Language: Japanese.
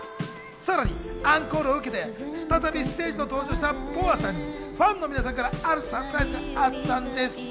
さらにアンコールを受けて、再びステージに登場したＢｏＡさんにファンの皆さんからあるサプライズがあったんです。